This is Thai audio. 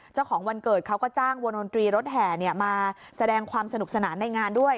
เจ้าของวันเกิดเขาก็จ้างวงดนตรีรถแห่มาแสดงความสนุกสนานในงานด้วย